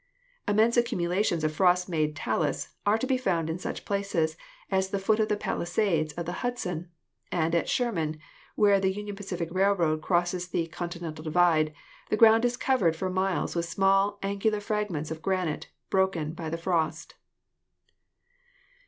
Immense accumulations of frost made talus are to be found in such places as the foot of the Palisades of the Hudson and at Sherman, where the Union Pacific Railroad crosses the "continental divide," the ground is covered for miles with small, angular fragments of granite broken uo by the frost.